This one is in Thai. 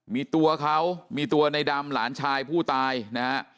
มีตัวเขามีตัวในดำหลานชายผู้ตายนะฮะ